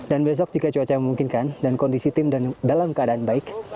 dan besok jika cuaca memungkinkan dan kondisi tim dalam keadaan baik